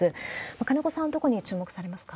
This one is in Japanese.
金子さん、どこに注目されますか？